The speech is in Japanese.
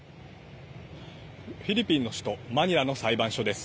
フィリピンの首都マニラの裁判所です。